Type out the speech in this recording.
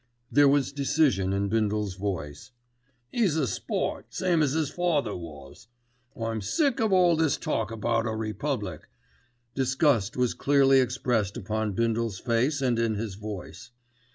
There was decision in Bindle's voice. "'E's a sport, same as 'is father was. I'm sick of all this talk about a republic." Disgust was clearly expressed upon Bindle's face and in his voice.